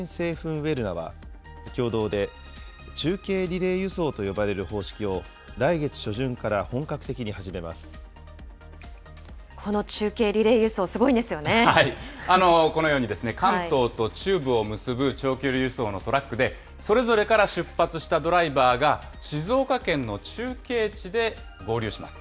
ウェルナは、共同で中継リレー輸送と呼ばれる方式を、来月初旬から本格的この中継リレー輸送、すごいこのようにですね、関東と中部を結ぶ長距離輸送のトラックで、それぞれから出発したドライバーが、静岡県の中継地で合流します。